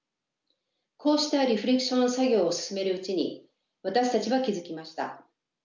こうしたリフレクション作業を進めるうちに私たちは気付きました。